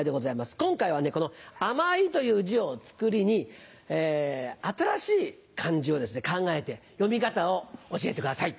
今回はこの「甘い」という字をつくりに新しい漢字を考えて読み方を教えてください。